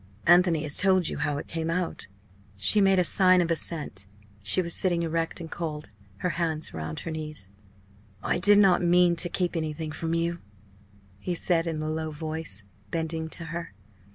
Anthony has told you how it came out?" She made a sign of assent. She was sitting erect and cold, her hands round her knees. "I did not mean to keep anything from you," he said in a low voice, bending to her.